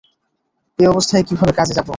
এই অবস্থায় কীভাবে কাজে যাবো?